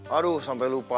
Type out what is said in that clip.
aduh sampe lupa